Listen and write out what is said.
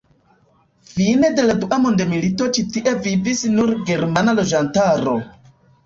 Fine de la dua mondmilito ĉi tie vivis nur germana loĝantaro.